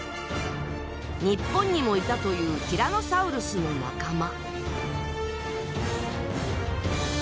日本にもいたというティラノサウルスの仲間。